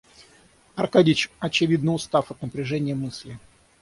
Аркадьич, очевидно устав от напряжения мысли.